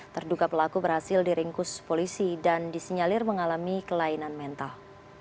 terduga pelaku berhasil diringkus polisi dan disinyalir mengalami kelainan mental